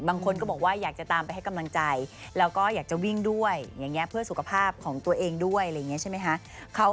บางคนก็บอกว่าอยากจะตามไปให้กำลังใจแล้วก็อยากจะวิ่งด้วยอย่างนี้เพื่อสุขภาพของตัวเองด้วยอะไรอย่างนี้ใช่ไหมคะ